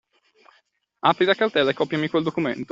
Apri la cartella e copiami quel documento.